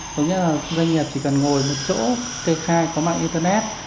đúng như là doanh nghiệp chỉ cần ngồi một chỗ kê khai có mạng internet